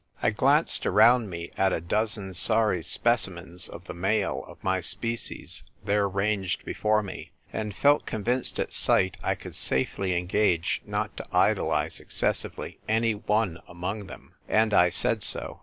I glanced around me at the dozen sorry specimens of the male of my species there ranged before me, and felt convinced at sight I could safely engage not to idolise exces sively any one among them. And I said so.